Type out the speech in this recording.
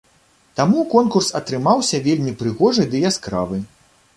Таму конкурс атрымаўся вельмі прыгожы ды яскравы.